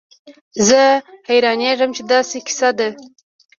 زه حيرانېږم چې دا څه کيسه ده.